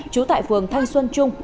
trú tại phường thanh xuân trung